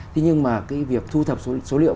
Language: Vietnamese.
thế nhưng mà cái việc thu thập số liệu